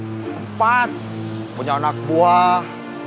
sempat punya anak buah